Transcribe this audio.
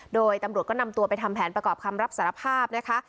โดยตำรวจก็นำตัวไปทำแผนประกอบคำรับสารภาพนะคะ